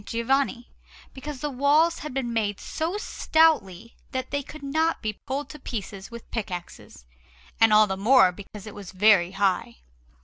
Giovanni, because the walls had been made so stoutly that they could not be pulled to pieces with pickaxes, and all the more because it was very high.